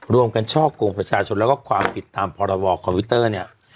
รวมกันช่อกงประชาชนแล้วก็ความผิดตามพรบคอมพิวเตอร์เนี่ย